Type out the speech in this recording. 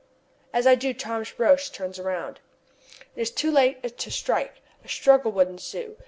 As I do so, Thomas Roch turns round. It is too late to strike. A struggle would ensue.